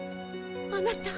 あなた。